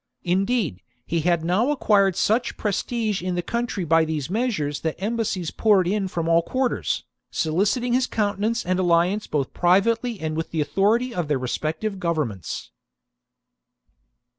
Indeed, he had now acquired such prestige in the country by these measures that embassies poured in from all quarters, soliciting his countenance and alliance both privately and with the authority of their respective govern ments.